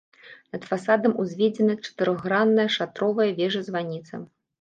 Над фасадам узведзена чатырохгранная шатровая вежа-званіца.